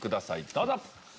どうぞ。